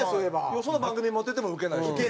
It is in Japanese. よその番組に持っていってもウケないし。